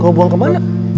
kau buang kemana